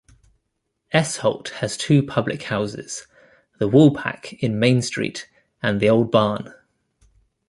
Esholt has two public houses, The Woolpack in Main Street and The Old Barn.